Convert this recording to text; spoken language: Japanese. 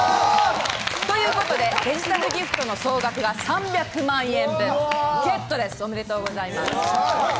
ということでデジタルギフトの総額が３００万円分ゲットですおめでとうございます。